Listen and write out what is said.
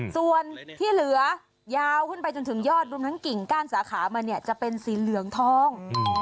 ส่วนที่เหลือยาวขึ้นไปจนถึงยอดรวมทั้งกิ่งก้านสาขามันเนี่ยจะเป็นสีเหลืองทอง